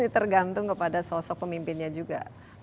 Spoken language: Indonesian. tergantung kepada sosok pemimpinnya juga